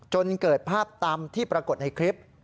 จนเกิดภาพตามที่ปรากฏในคลิป